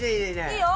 いいよ！